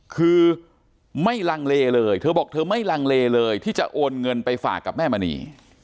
คือไม่ลังเลเลยเธอบอกเธอไม่ลังเลเลยที่จะโอนเงินไปฝากกับแม่มณี